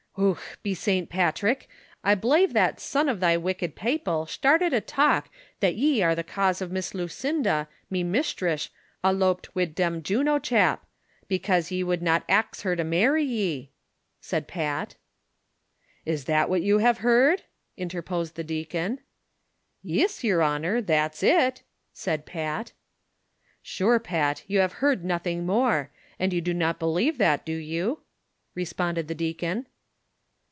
"Och, be Sant Patrick, I belave that son of they wicked paople stliarted a talk tliat ye were the cause of Miss Lu cinda, me mishtress, aloped wid them Juno chap ; becase ye would not axe her to marry ye," said Pat. 80 THE SOCIAL WAK OF 1900; OR, " Is that what you have heard ?" interposed the deacon. " Yis, yer honor, that's it," said Pat. " Sure, Pat, you luive heard nothing more ; and you do not believe that, do you V" responded the deacon.